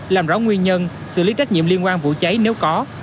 làm rõ nguyên nhân xử lý trách nhiệm liên quan vụ cháy nếu có